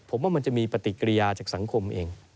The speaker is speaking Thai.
ผมว่ามันจะมีปฏิกิริยาจากสังคมเอง